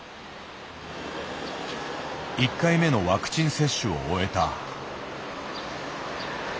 １回目のワクチン接種を終えた。